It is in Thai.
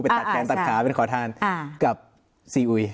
ตัดแทนตัดขาไปขอทานกับซีอุย